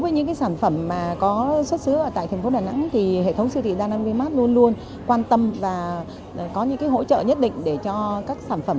những sản phẩm